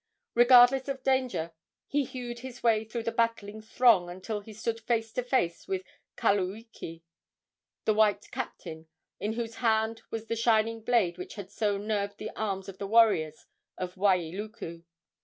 Regardless of danger, he hewed his way through the battling throng until he stood face to face with Kaluiki, the white captain, in whose hand was the shining blade which had so nerved the arms of the warriors of Wailuku.